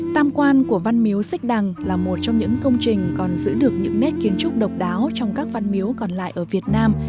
tam quan của văn miếu xích đằng là một trong những công trình còn giữ được những nét kiến trúc độc đáo trong các văn miếu còn lại ở việt nam